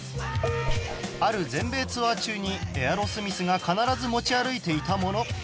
ある全米ツアー中にエアロスミスが必ず持ち歩いていたもの